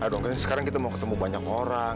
ayo dong sekarang kita mau ketemu banyak orang